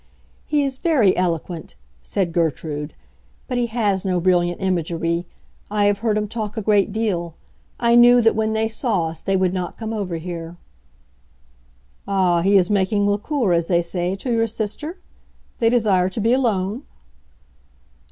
"He is very eloquent," said Gertrude; "but he has no brilliant imagery. I have heard him talk a great deal. I knew that when they saw us they would not come over here." "Ah, he is making la cour, as they say, to your sister? They desire to be alone?"